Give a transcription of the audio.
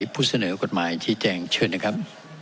ผู้เสนอกฎหมายชี้แจงเชิญนะครับ